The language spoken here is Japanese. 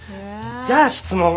じゃあ質問。